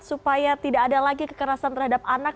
supaya tidak ada lagi kekerasan terhadap anak